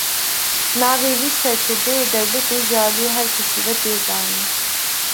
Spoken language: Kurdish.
Navê vî serkirdeyê dewletê ji aliyê her kesî ve tê zanîn.